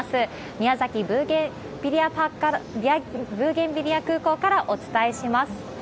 宮崎ブーゲンビリア空港からお伝えします。